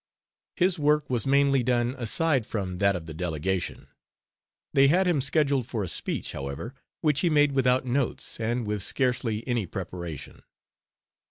His work was mainly done aside from that of the delegation. They had him scheduled for a speech, however, which he made without notes and with scarcely any preparation.